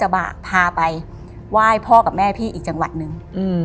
ว่ายพ่อกับแม่พี่อีกจังหวัดนึง